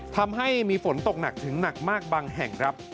ทำให้มีฝนตกหนักหลังมากถึงหนักมากบังแห่ง